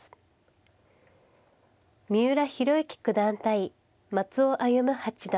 三浦弘行九段対松尾歩八段。